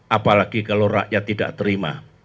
apalagi kalau rakyat tidak terima